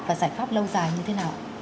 và giải pháp lâu dài như thế nào